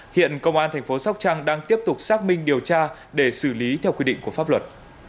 hiện công an thành phố sóc trăng đang tiếp tục xác minh điều tra để xử lý theo quy định của pháp luật